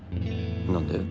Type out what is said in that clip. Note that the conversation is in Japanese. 何で？